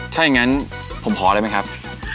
ถ้าอย่างนั้นผมขอได้ไหมครับ